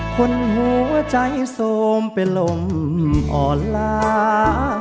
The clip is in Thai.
คนหัวใจโทรมเป็นลมอ่อนล้า